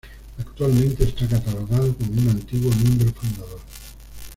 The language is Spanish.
Actualmente está catalogado como un antiguo miembro fundador.